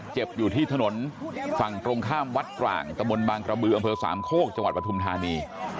เจ็บอยู่ที่ถนนฝั่งตรงข้ามวัดกร่างตมบางกระมืออสามโคกจปฐุมธานี